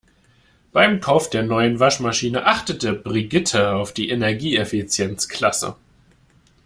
Beim Kauf der neuen Waschmaschine achtete Brigitte auf die Energieeffizienzklasse.